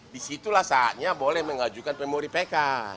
di situlah saatnya boleh mengajukan memori pk